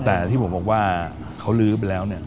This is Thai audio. แต่ที่ผมบอกว่าเขาลื้อไปแล้วเนี่ย